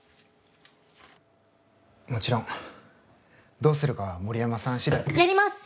もちろんどうするかは森山さん次第やります！